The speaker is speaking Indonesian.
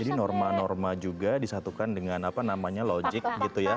jadi norma norma juga disatukan dengan apa namanya logik gitu ya